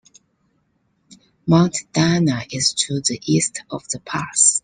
Mount Dana is to the east of the pass.